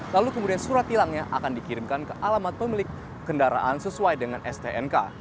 lalu kemudian surat hilangnya akan dikirimkan ke alamat pemilik kendaraan sesuai dengan stnk